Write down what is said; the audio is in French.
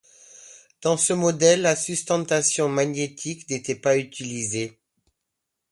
Dans ce modèle, la sustentation magnétique n'était pas utilisée.